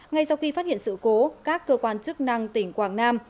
ngay sau khi phát hiện sự cố các cơ quan chức năng tỉnh quảng nam